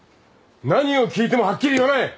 何を聞いてもはっきり言わない。